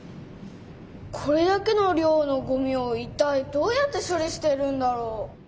これだけの量のごみをいったいどうやって処理してるんだろう？